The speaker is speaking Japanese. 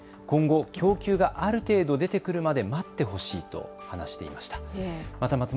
今後、供給がある程度出て来るまでに待ってほしいと話していました。